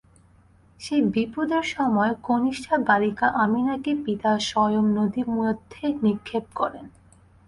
সেই বিপদের সময় কনিষ্ঠা বালিকা আমিনাকে পিতা স্বয়ং নদীমধ্যে নিক্ষেপ করেন।